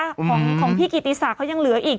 ของพี่กิติศักดิ์เขายังเหลืออีก